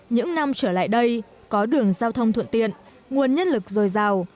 những năm trở lại đây có đường giao thông thuận tiện nguồn nhân lực dồi dào